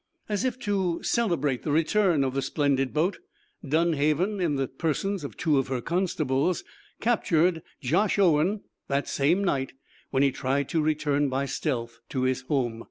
As if to celebrate the return of the splendid boat, Dunhaven, in the persons of two of her constables, captured Josh Owen that same night when he tried to return by stealth to his home.